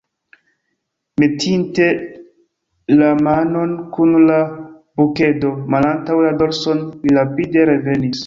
Metinte la manon kun la bukedo malantaŭ la dorson, li rapide revenis.